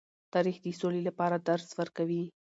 تاریخ د سولې لپاره درس ورکوي.